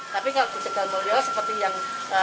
tapi kalau di tegal mulyo seperti yang